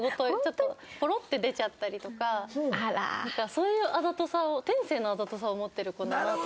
そういうあざとさを天性のあざとさを持ってる子だなと。